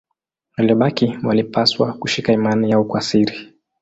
Waliobaki walipaswa kushika imani yao kwa siri.